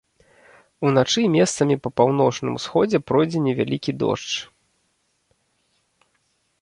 Уначы месцамі па паўночным усходзе пройдзе невялікі дождж.